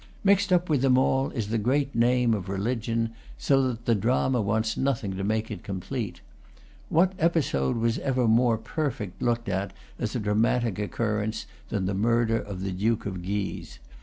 Mixed up with them all is the great name of religion, so that the drama wants nothing to make it complete. What episode was ever more perfect looked at as a dramatic occurrence than the murder of the Duke of Guise?